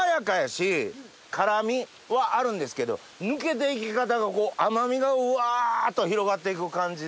辛味はあるんですけど抜けていき方が甘味がうわっと広がっていく感じで。